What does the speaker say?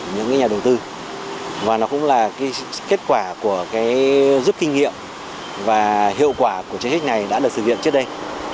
những nhà đầu tư và nó cũng là cái kết quả của cái giúp kinh nghiệm và hiệu quả của chế hích này đã được thực hiện trước đây